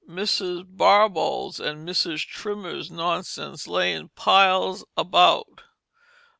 Mrs. Barbauld's and Mrs. Trimmer's nonsense lay in piles about.